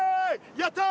やったー！